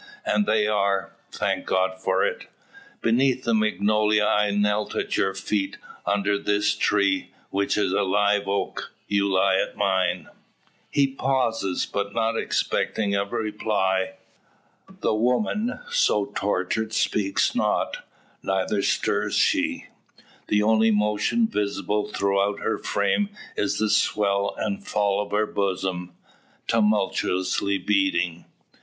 And they are, thank God for it! Beneath the magnolia I knelt at your feet, under this tree, which is a live oak, you lie at mine." He pauses, but not expecting reply. The woman, so tortured speaks not; neither stirs she. The only motion visible throughout her frame is the swell and fall of her bosom tumultuously beating.